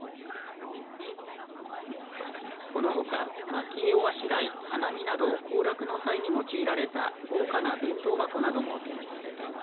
このほか、まき絵をあしらい花見などの行楽の際に用いられた豪華な弁当箱なども展示されています。